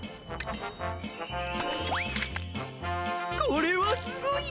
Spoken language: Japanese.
これはすごい！